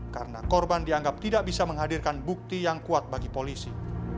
karena korban dianggap tidak bisa menghadirkan bukti yang kuat bagi polisi